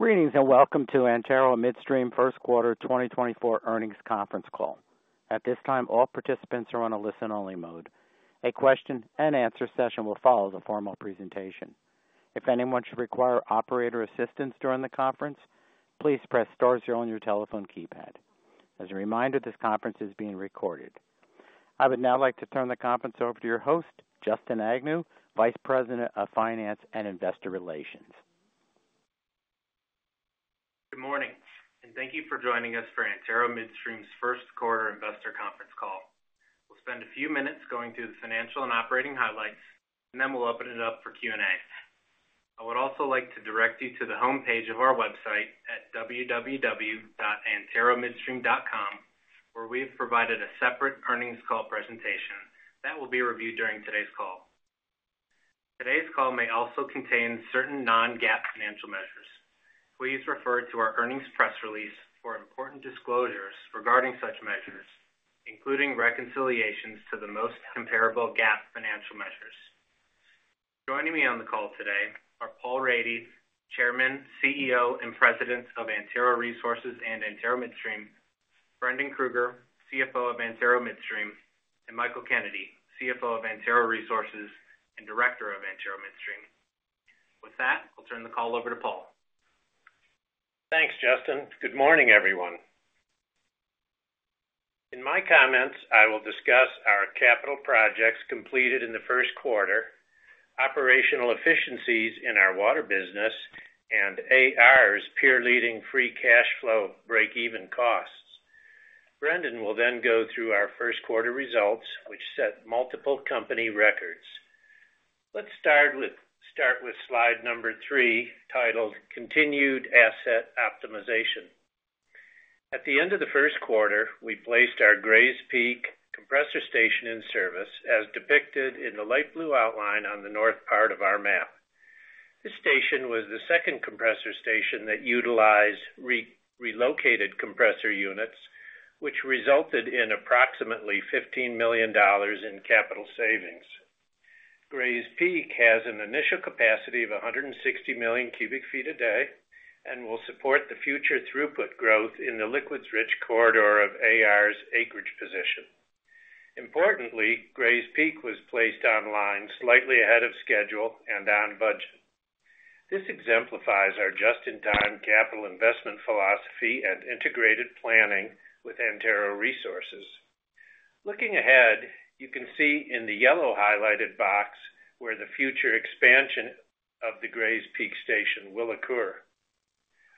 Greetings and welcome to Antero Midstream Q1 2024 Earnings Conference Call. At this time, all participants are on a listen-only mode. A question-and-answer session will follow the formal presentation. If anyone should require operator assistance during the conference, please press star zero on your telephone keypad. As a reminder, this conference is being recorded. I would now like to turn the conference over to your host, Justin Agnew, Vice President of Finance and Investor Relations. Good morning, and thank you for joining us for Antero Midstream's Q1 Investor Conference Call. We'll spend a few minutes going through the financial and operating highlights, and then we'll open it up for Q&A. I would also like to direct you to the homepage of our website at www.anteromidstream.com, where we have provided a separate earnings call presentation that will be reviewed during today's call. Today's call may also contain certain non-GAAP financial measures. Please refer to our earnings press release for important disclosures regarding such measures, including reconciliations to the most comparable GAAP financial measures. Joining me on the call today are Paul Rady, Chairman, CEO, and President of Antero Resources and Antero Midstream, Brendan Krueger, CFO of Antero Midstream, and Michael Kennedy, CFO of Antero Resources and Director of Antero Midstream. With that, I'll turn the call over to Paul. Thanks, Justin. Good morning, everyone. In my comments, I will discuss our capital projects completed in the Q1, operational efficiencies in our water business, and AR's peer-leading free cash flow break-even costs. Brendan will then go through our Q1 results, which set multiple company records. Let's start with slide three titled Continued Asset Optimization. At the end of the Q1, we placed our Grays Peak Compressor Station in service, as depicted in the light blue outline on the north part of our map. This station was the second compressor station that utilized relocated compressor units, which resulted in approximately $15 million in capital savings. Grays Peak has an initial capacity of 160 million cubic feet a day and will support the future throughput growth in the liquids-rich corridor of AR's acreage position. Importantly, Grays Peak was placed online slightly ahead of schedule and on budget. This exemplifies our just-in-time capital investment philosophy and integrated planning with Antero Resources. Looking ahead, you can see in the yellow highlighted box where the future expansion of the Grays Peak station will occur.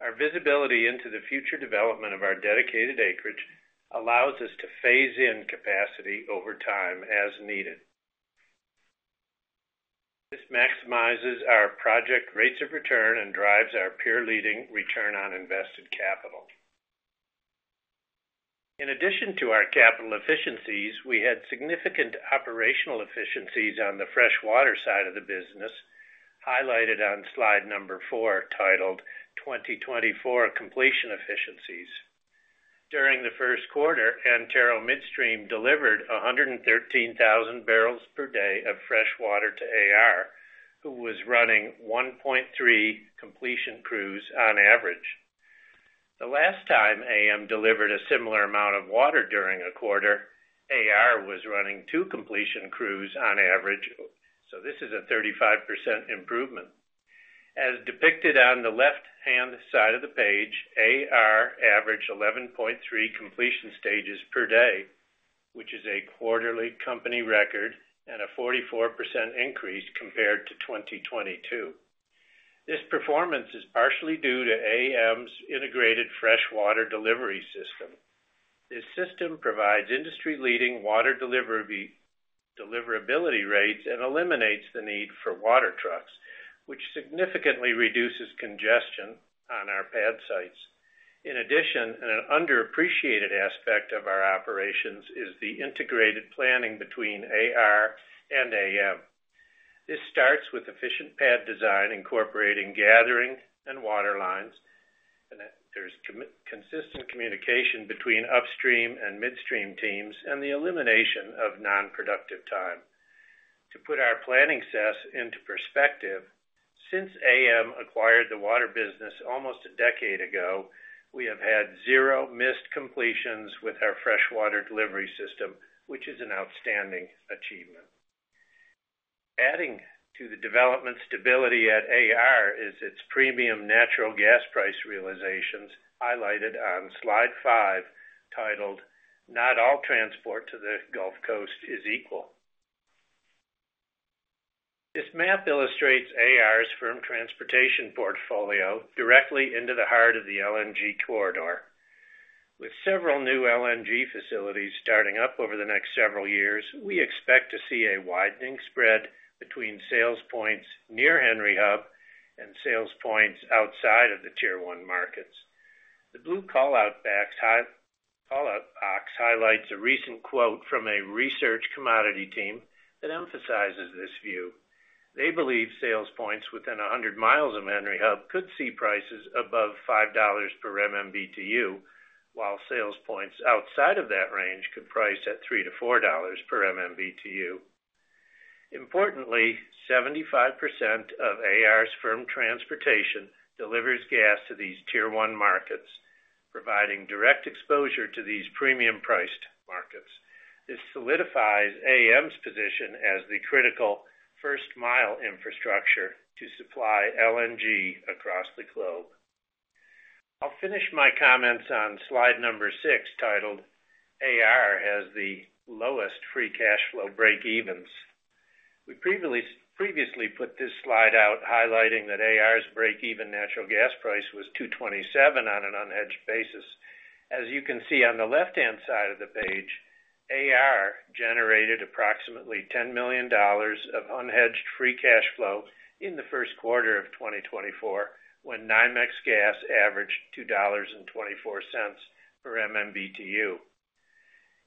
Our visibility into the future development of our dedicated acreage allows us to phase in capacity over time as needed. This maximizes our project rates of return and drives our peer-leading return on invested capital. In addition to our capital efficiencies, we had significant operational efficiencies on the freshwater side of the business, highlighted on slide number four titled 2024 Completion Efficiencies. During the Q1, Antero Midstream delivered 113,000 barrels per day of freshwater to AR, who was running 1.3 completion crews on average. The last time AM delivered a similar amount of water during a quarter, AR was running two completion crews on average, so this is a 35% improvement. As depicted on the left-hand side of the page, AR averaged 11.3 completion stages per day, which is a quarterly company record and a 44% increase compared to 2022. This performance is partially due to AM's integrated Freshwater Delivery System. This system provides industry-leading water deliverability rates and eliminates the need for water trucks, which significantly reduces congestion on our pad sites. In addition, an underappreciated aspect of our operations is the integrated planning between AR and AM. This starts with efficient pad design incorporating gathering and water lines, and there's consistent communication between upstream and midstream teams, and the elimination of nonproductive time. To put our planning success into perspective, since AM acquired the water business almost a decade ago, we have had zero missed completions with our Freshwater Delivery System, which is an outstanding achievement. Adding to the development stability at AR is its premium natural gas price realizations, highlighted on slide five titled Not All Transport to the Gulf Coast Is Equal. This map illustrates AR's firm transportation portfolio directly into the heart of the LNG corridor. With several new LNG facilities starting up over the next several years, we expect to see a widening spread between sales points near Henry Hub and sales points outside of the Tier 1 markets. The blue call-out box highlights a recent quote from a research commodity team that emphasizes this view. They believe sales points within 100 miles of Henry Hub could see prices above $5 per MMBtu, while sales points outside of that range could price at $3-$4 per MMBtu. Importantly, 75% of AR's firm transportation delivers gas to these Tier 1 markets, providing direct exposure to these premium-priced markets. This solidifies AM's position as the critical first-mile infrastructure to supply LNG across the globe. I'll finish my comments on slide number six titled AR Has the Lowest Free Cash Flow Break-Evens. We previously put this slide out highlighting that AR's break-even natural gas price was $2.27 on an unhedged basis. As you can see on the left-hand side of the page, AR generated approximately $10 million of unhedged free cash flow in the Q1 of 2024 when NYMEX gas averaged $2.24 per MMBtu.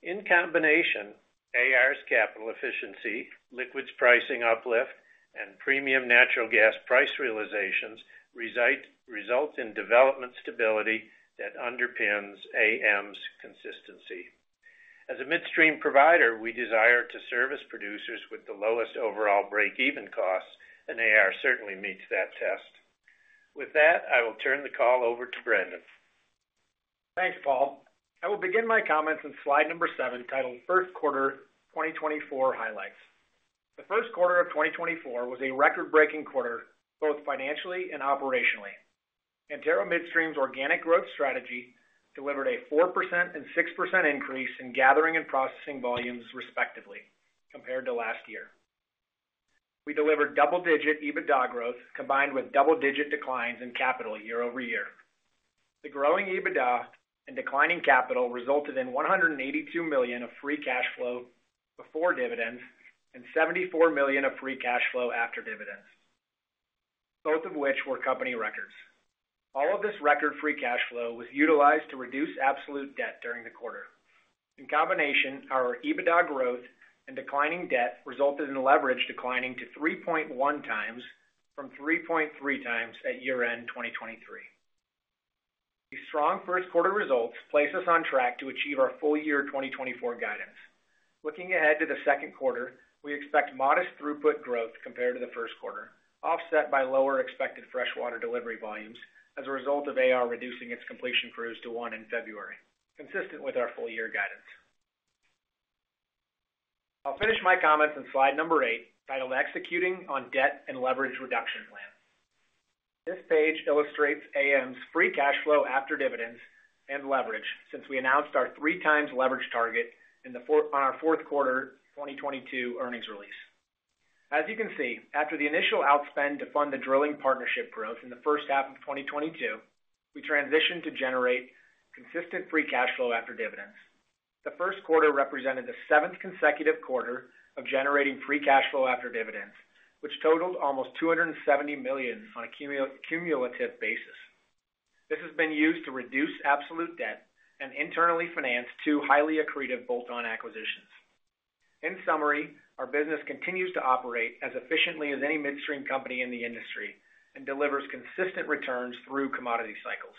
In combination, AR's capital efficiency, liquids pricing uplift, and premium natural gas price realizations result in development stability that underpins AM's consistency. As a midstream provider, we desire to service producers with the lowest overall break-even costs, and AR certainly meets that test. With that, I will turn the call over to Brendan. Thanks, Paul. I will begin my comments on slide number seven titled Q1 2024 Highlights. The Q1 of 2024 was a record-breaking quarter, both financially and operationally. Antero Midstream's organic growth strategy delivered a 4% and 6% increase in gathering and processing volumes, respectively, compared to last year. We delivered double-digit EBITDA growth combined with double-digit declines in capital year-over-year. The growing EBITDA and declining capital resulted in $182 million of free cash flow before dividends and $74 million of free cash flow after dividends, both of which were company records. All of this record free cash flow was utilized to reduce absolute debt during the quarter. In combination, our EBITDA growth and declining debt resulted in leverage declining to 3.1x from 3.3x at year-end 2023. These strong Q1 results place us on track to achieve our full-year 2024 guidance. Looking ahead to the Q2, we expect modest throughput growth compared to the Q1, offset by lower expected freshwater delivery volumes as a result of AR reducing its completion crews to one in February, consistent with our full-year guidance. I'll finish my comments on slide number eight titled Executing on Debt and Leverage Reduction Plan. This page illustrates AM's free cash flow after dividends and leverage since we announced our 3x leverage target on our Q4 2022 earnings release. As you can see, after the initial outspend to fund the drilling partnership growth in the first half of 2022, we transitioned to generate consistent free cash flow after dividends. The Q1 represented the seventh consecutive quarter of generating free cash flow after dividends, which totaled almost $270 million on a cumulative basis. This has been used to reduce absolute debt and internally finance two highly accretive bolt-on acquisitions. In summary, our business continues to operate as efficiently as any midstream company in the industry and delivers consistent returns through commodity cycles.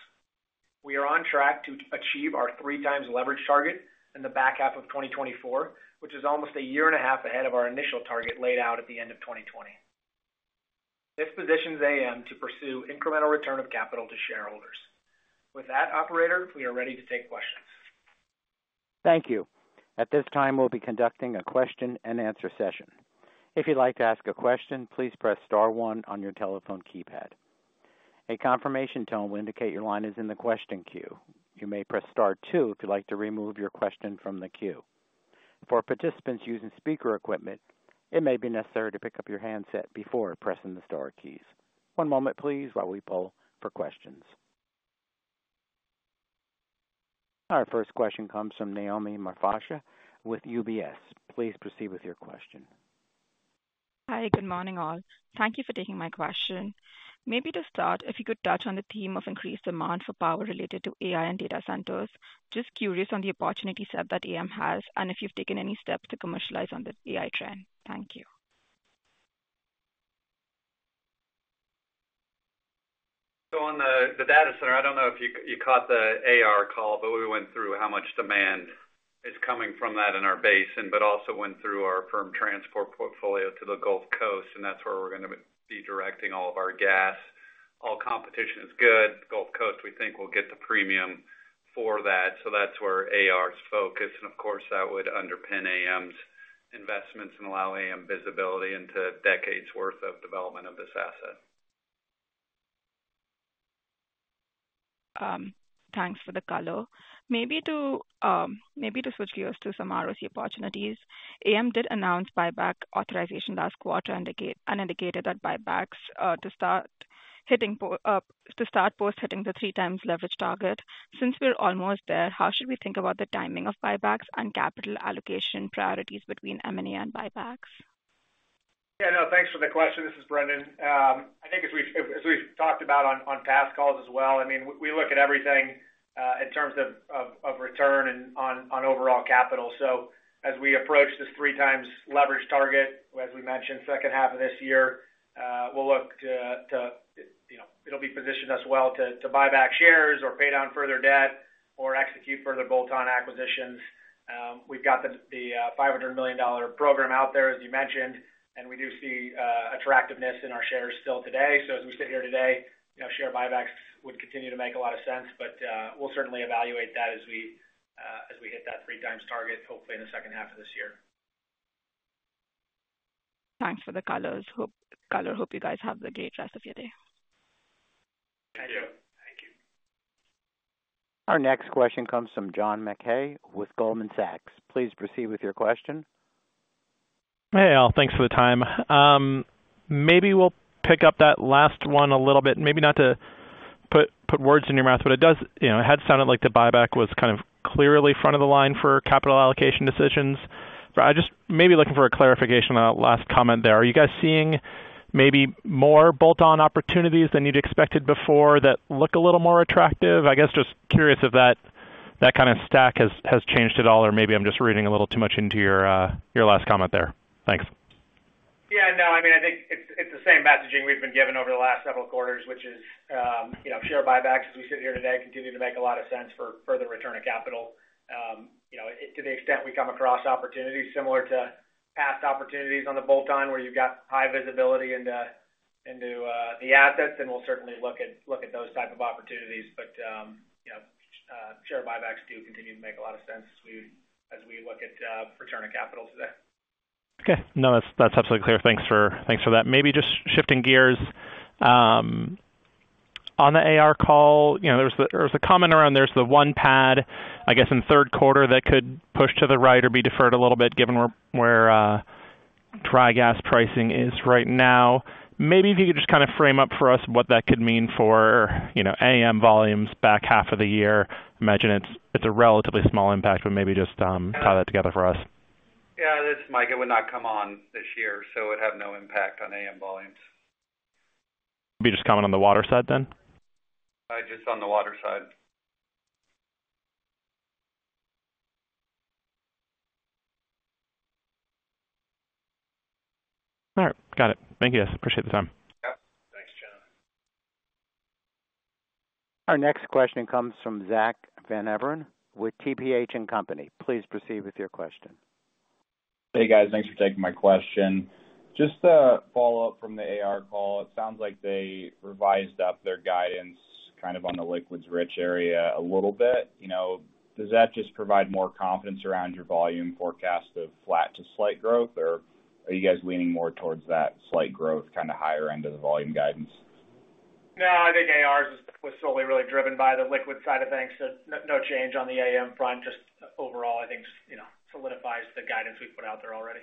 We are on track to achieve our 3x leverage target in the back half of 2024, which is almost a year and a half ahead of our initial target laid out at the end of 2020. This positions AM to pursue incremental return of capital to shareholders. With that, operator, we are ready to take questions. Thank you. At this time, we'll be conducting a question-and-answer session. If you'd like to ask a question, please press star one on your telephone keypad. A confirmation tone will indicate your line is in the question queue. You may press star two if you'd like to remove your question from the queue. For participants using speaker equipment, it may be necessary to pick up your handset before pressing the star keys. One moment, please, while we pull for questions. Our first question comes from Naomi Marfatia with UBS. Please proceed with your question. Hi. Good morning, all. Thank you for taking my question. Maybe to start, if you could touch on the theme of increased demand for power related to AI and data centers, just curious on the opportunity set that AM has and if you've taken any steps to commercialize on the AI trend? Thank you. So on the data center, I don't know if you caught the AR call, but we went through how much demand is coming from that in our basin, but also went through our firm transport portfolio to the Gulf Coast, and that's where we're going to be directing all of our gas. All competition is good. Gulf Coast, we think, will get the premium for that, so that's where AR's focus. And of course, that would underpin AM's investments and allow AM visibility into decades' worth of development of this asset. Thanks for the color. Maybe to switch gears to some ROC opportunities, AM did announce buyback authorization last quarter and indicated that buybacks to start post-hitting the 3x leverage target. Since we're almost there, how should we think about the timing of buybacks and capital allocation priorities between M&A and buybacks? Yeah. No, thanks for the question. This is Brendan. I think as we've talked about on past calls as well, I mean, we look at everything in terms of return on overall capital. So as we approach this 3x leverage target, as we mentioned, second half of this year, we'll look to it'll be positioned as well to buy back shares or pay down further debt or execute further bolt-on acquisitions. We've got the $500 million program out there, as you mentioned, and we do see attractiveness in our shares still today. So as we sit here today, share buybacks would continue to make a lot of sense, but we'll certainly evaluate that as we hit that 3x target, hopefully, in the second half of this year. Thanks for the color. Color, hope you guys have a great rest of your day. Yeah. Thank you. Our next question comes from John Mackay with Goldman Sachs. Please proceed with your question. Hey, all. Thanks for the time. Maybe we'll pick up that last one a little bit. Maybe not to put words in your mouth, but it had sounded like the buyback was kind of clearly front of the line for capital allocation decisions. But I'm just maybe looking for a clarification on that last comment there. Are you guys seeing maybe more bolt-on opportunities than you'd expected before that look a little more attractive? I guess just curious if that kind of stack has changed at all, or maybe I'm just reading a little too much into your last comment there. Thanks. Yeah. No. I mean, I think it's the same messaging we've been given over the last several quarters, which is share buybacks, as we sit here today, continue to make a lot of sense for further return of capital. To the extent we come across opportunities similar to past opportunities on the bolt-on where you've got high visibility into the assets, then we'll certainly look at those type of opportunities. But share buybacks do continue to make a lot of sense as we look at return of capital today. Okay. No, that's absolutely clear. Thanks for that. Maybe just shifting gears. On the AR call, there was a comment around there's the one pad, I guess, in third quarter that could push to the right or be deferred a little bit given where dry gas pricing is right now. Maybe if you could just kind of frame up for us what that could mean for AM volumes back half of the year. I imagine it's a relatively small impact, but maybe just tie that together for us. Yeah. It would not come on this year, so it would have no impact on AM volumes. It'd be just comment on the water side then? Just on the water side. All right. Got it. Thank you, guys. Appreciate the time. Yep. Thanks, John. Our next question comes from Zach Van Everen with TPH & Co. Please proceed with your question. Hey, guys. Thanks for taking my question. Just a follow-up from the AR call. It sounds like they revised up their guidance kind of on the liquids-rich area a little bit. Does that just provide more confidence around your volume forecast of flat to slight growth, or are you guys leaning more towards that slight growth kind of higher end of the volume guidance? No. I think AR's was solely really driven by the liquid side of things, so no change on the AM front. Just overall, I think it solidifies the guidance we put out there already.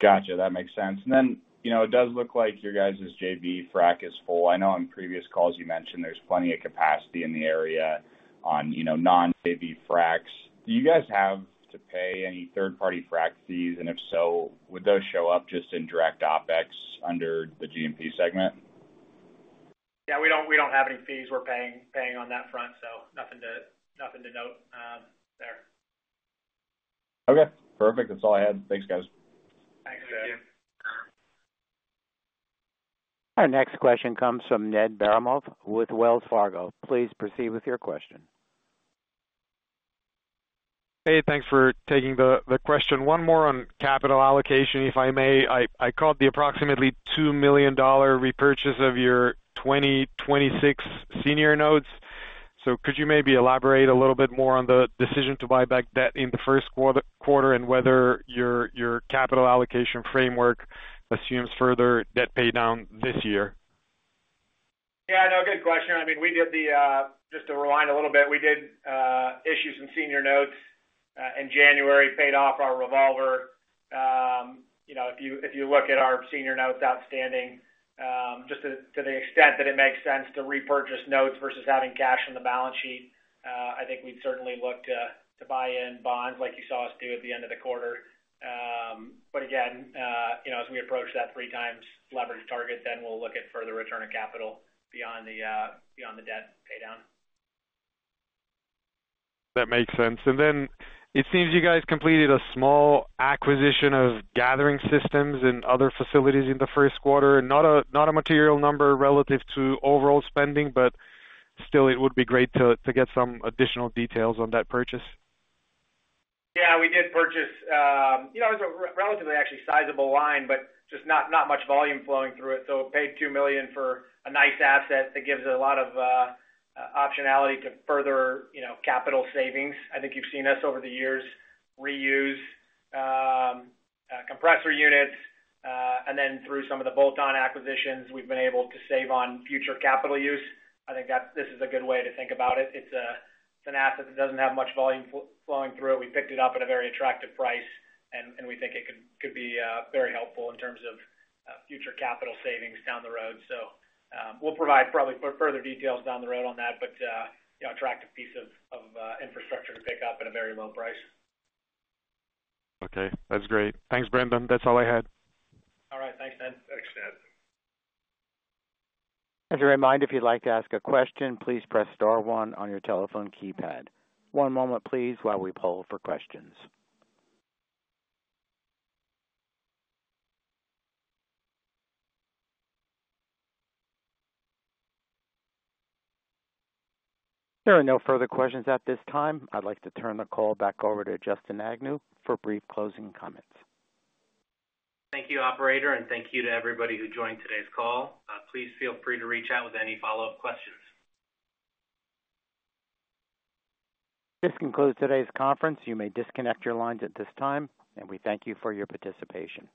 Gotcha. That makes sense. And then it does look like your guys' JV frac is full. I know on previous calls you mentioned there's plenty of capacity in the area on non-JV fracs. Do you guys have to pay any third-party frac fees? And if so, would those show up just in direct OPEX under the G&P segment? Yeah. We don't have any fees we're paying on that front, so nothing to note there. Okay. Perfect. That's all I had. Thanks, guys. Thanks. Thank you. Our next question comes from Ned Baramov with Wells Fargo. Please proceed with your question. Hey. Thanks for taking the question. One more on capital allocation, if I may. I caught the approximately $2 million repurchase of your 2026 Senior Notes. So could you maybe elaborate a little bit more on the decision to buy back debt in the Q1 and whether your capital allocation framework assumes further debt paydown this year? Yeah. No. Good question. I mean, just to rewind a little bit, we did issue some senior notes in January, paid off our revolver. If you look at our senior notes outstanding, just to the extent that it makes sense to repurchase notes versus having cash on the balance sheet, I think we'd certainly look to buy in bonds like you saw us do at the end of the quarter. But again, as we approach that 3x leverage target, then we'll look at further return of capital beyond the debt paydown. That makes sense. Then it seems you guys completed a small acquisition of gathering systems in other facilities in the Q1. Not a material number relative to overall spending, but still, it would be great to get some additional details on that purchase. Yeah. We did purchase. It was a relatively, actually, sizable line, but just not much volume flowing through it. So, paid $2 million for a nice asset that gives a lot of optionality to further capital savings. I think you've seen us over the years reuse compressor units. Then through some of the bolt-on acquisitions, we've been able to save on future capital use. I think this is a good way to think about it. It's an asset that doesn't have much volume flowing through. We picked it up at a very attractive price, and we think it could be very helpful in terms of future capital savings down the road. So we'll provide probably further details down the road on that, but attractive piece of infrastructure to pick up at a very low price. Okay. That's great. Thanks, Brendan. That's all I had. All right. Thanks, Ned. Thanks, Ned. As a reminder, if you'd like to ask a question, please press star one on your telephone keypad. One moment, please, while we pull for questions. There are no further questions at this time. I'd like to turn the call back over to Justin Agnew for brief closing comments. Thank you, operator, and thank you to everybody who joined today's call. Please feel free to reach out with any follow-up questions. This concludes today's conference. You may disconnect your lines at this time, and we thank you for your participation.